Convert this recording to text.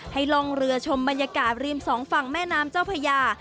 ลองเรือชมบรรยากาศริมสองฝั่งแม่น้ำเจ้าพญา